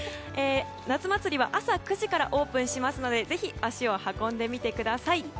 夏祭りは朝９時からスタートしますのでぜひ足を運んでみてください。